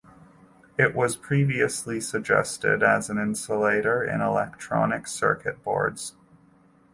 It was previously suggested as an insulator in electronic circuit boards.